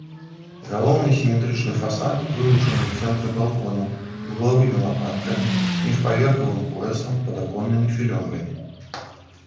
Галоўны сіметрычны фасад вылучаны ў цэнтры балконам, вуглавымі лапаткамі, міжпаверхавым поясам, падаконнымі філёнгамі.